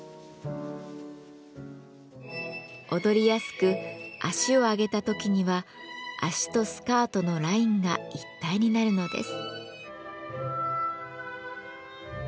踊りやすく足を上げた時には足とスカートのラインが一体になるのです。